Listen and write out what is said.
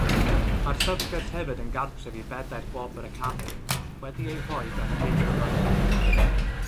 Mae'r llyfrgell hefyd yn gartref i bedair Gwobr Academi, wedi eu rhoi gan gyn-fyfyrwyr.